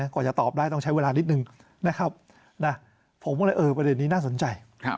ก่อนจะตอบได้ต้องใช้เวลานิดหนึ่งผมก็เลยประเด็นนี้น่าสนใจ